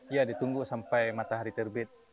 ya ditunggu sampai matahari terbit